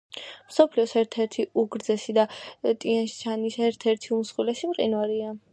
მსოფლიოს ერთ-ერთი უგრძესი და ტიან-შანის ერთ-ერთი უმსხვილესი მყინვარია.